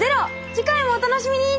次回もお楽しみに！